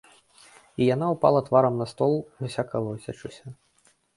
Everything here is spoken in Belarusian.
І яна ўпала тварам на стол, уся калоцячыся.